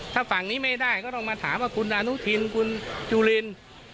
ถ้าฝั่งนี้ไม่ได้ก็ต้องมาถามว่าคุณอนุทินคุณจุลิน